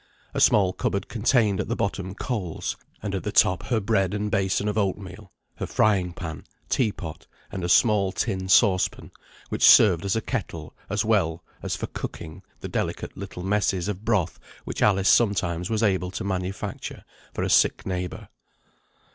A small cupboard contained at the bottom coals, and at the top her bread and basin of oatmeal, her frying pan, tea pot, and a small tin saucepan, which served as a kettle, as well as for cooking the delicate little messes of broth which Alice sometimes was able to manufacture for a sick neighbour.